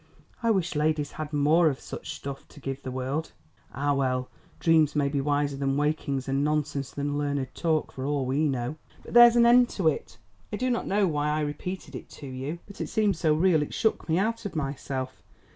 "I wish ladies had more of such stuff to give the world." "Ah, well, dreams may be wiser than wakings, and nonsense than learned talk, for all we know. But there's an end of it. I do not know why I repeated it to you. I am sorry that I did repeat it, but it seemed so real it shook me out of myself.